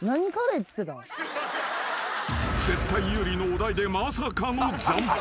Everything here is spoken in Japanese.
［絶対有利のお題でまさかの惨敗］